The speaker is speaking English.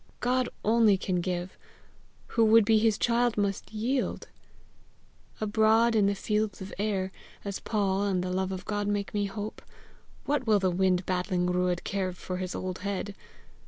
"God only can give; who would be his child must yield! Abroad in the fields of air, as Paul and the love of God make me hope, what will the wind battling Ruadh care for his old head!